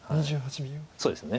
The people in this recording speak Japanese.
そうですね